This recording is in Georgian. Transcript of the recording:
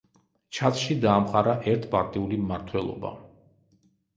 ჩადში დაამყარა ერთპარტიული მმართველობა.